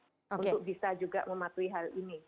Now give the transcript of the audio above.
untuk bisa juga mematuhi hal ini